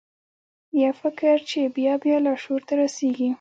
یو فکر چې بیا بیا لاشعور ته رسیږي